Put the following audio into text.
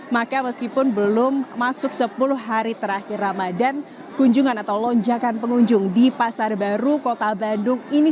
maka meskipun belum masuk sepuluh hari terakhir ramadan kunjungan atau lonjakan pengunjung di pasar baru kota bandung ini